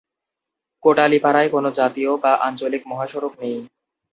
কোটালীপাড়ায় কোনো জাতীয় বা আঞ্চলিক মহাসড়ক নেই।